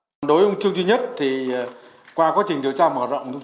còn đối với ông trương duy nhất thì qua quá trình điều tra mở rộng